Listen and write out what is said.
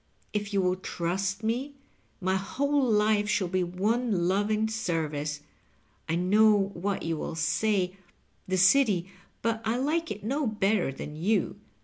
If you will trust me, my whole life shall be one loving service. I know what you will say — ^the City ; but I like it no better than you.